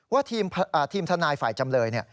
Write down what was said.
ว่าทีมทนายฝ่ายจำเลย